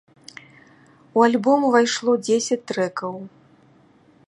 У альбом увайшло дзесяць трэкаў.